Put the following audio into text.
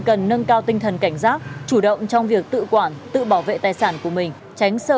cần nâng cao tinh thần cảnh giác chủ động trong việc tự quản tự bảo vệ tài sản của mình tránh sơ